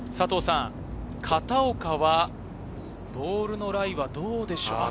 片岡は、ボールのライはどうでしょうか？